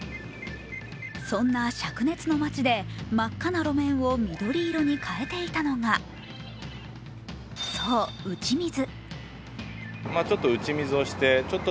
そんな灼熱の街で真っ赤な路面を緑色に変えていたのがそう、打ち水。